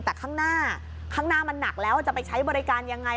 แต่ข้างหน้าข้างหน้ามันหนักแล้วจะไปใช้บริการยังไง